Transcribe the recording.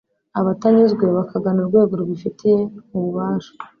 abatanyuzwe bakagana urwego rubifitiye ububasha